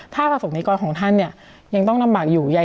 ถ้าประสงค์นิกรของท่านเนี่ยยังต้องลำบากอยู่